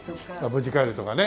「無事かえる」とかね。